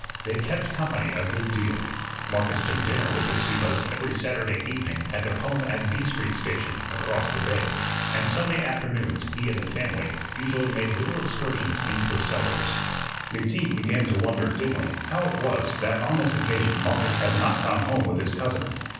They "kept company" a good deal; Marcus took dinner with the Sieppes every Saturday evening at their home at B Street station, across the bay, and Sunday afternoons he and the family usually made little excursions into the suburbs. McTeague began to wonder dimly how it was that on this occasion Marcus had not gone home with his cousin.